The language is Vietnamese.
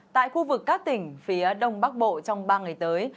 tại khu vực các tỉnh phía đông bắc bộ trong ba ngày tới